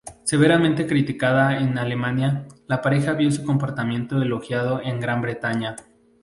Severamente criticada en Alemania, la pareja vio su comportamiento elogiado en Gran Bretaña.